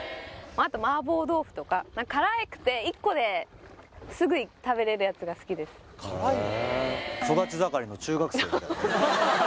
あと麻婆豆腐とか辛くて１個ですぐに食べれるやつが好きです辛いもの？